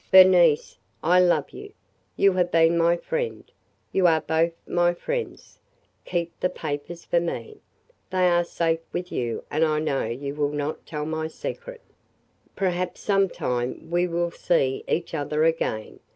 Bernice, I love you. You have been my friend. You are both my friends. Keep the papers for me. They are safe with you and I know you will not tell my secret. Perhaps some time we will see each other again.